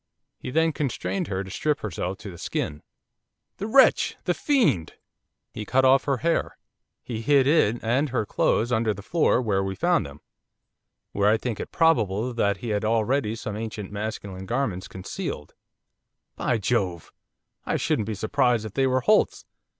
'He then constrained her to strip herself to the skin ' 'The wretch!' 'The fiend!' 'He cut off her hair; he hid it and her clothes under the floor where we found them where I think it probable that he had already some ancient masculine garments concealed ' 'By Jove! I shouldn't be surprised if they were Holt's.